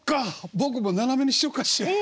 僕も斜めにしようかしら。